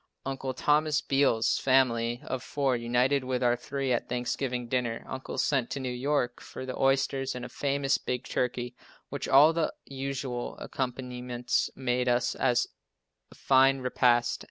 Uncle Thomas Beals' family of four united with our three at Thanksgiving dinner. Uncle sent to New York for the oysters, and a famous big turkey, with all the usual accompaniments, made us a fine repast.